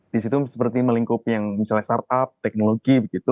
di situ seperti melingkupi yang misalnya startup teknologi begitu